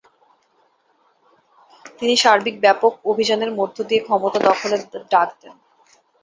তিনি সার্বিক ব্যাপক অভিযানের মধ্য দিয়ে ক্ষমতা দখলের ডাক দেন।